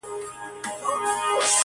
هغه ياغي شاعر غزل وايي ټپه نه کوي!